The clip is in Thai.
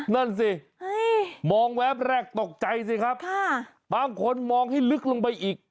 นั่นสิมองแวบแรกตกใจสิครับบางคนมองให้ลึกลงไปอีก